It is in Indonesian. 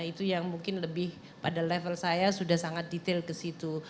itu yang mungkin lebih pada level saya sudah sangat detail ke situ